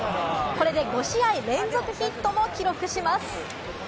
これで５試合連続ヒットも記録します。